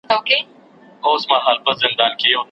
څو شېبې زلمۍ کومه پیمانو ته مي زړه کیږي